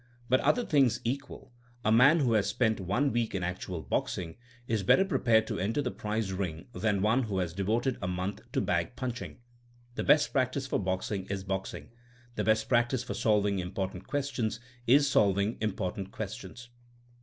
But other things equal, a man who has spent one week in actual boxing is better pre pared to enter the prize ring than one who has devoted a month to bag punching. The best practice for boxing is boxing. The best prac tice for solving important questions is solving important questions.